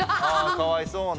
かわいそうな。